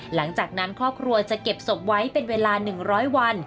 หลังจากนั้นครอบครัวจะเก็บศพไว้เป็นเวลา๑๐๐วัน